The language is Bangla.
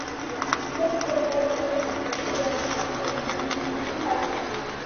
প্রতি রোববার আদালতে হাজিরা দেওয়ার শর্তে তাঁর জামিন মঞ্জুর করা হয়।